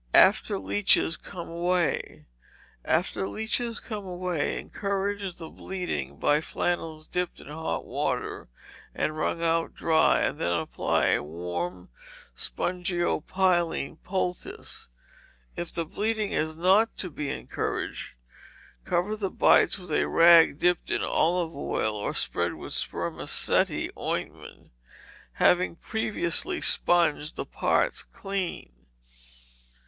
After Leeches Come Away, After leeches come away, encourage the bleeding by flannels dipped in hot water and wrung out dry, and then apply a warm spongiopiline poultice. If the bleeding is not to be encouraged, cover the bites with a rag dipped in olive oil, or spread with spermaceti ointment, having previously sponged the parts clean.